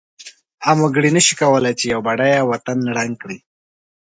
عام وګړی نشی کولای چې یو بډایه وطن ړنګ کړی.